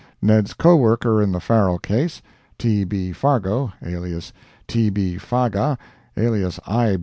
Ned's co worker in the Farrell case (T. B. Fargo, alias T. B. Faga, alias I.